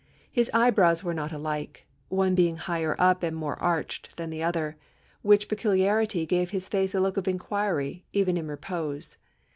His eyebrows were not alike, one being higher up and more arched than the other, which peculiarity gave his face a look of inquiry, even in repose.